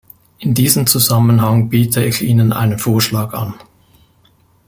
In diesem Zusammenhang biete ich Ihnen einen Vorschlag an.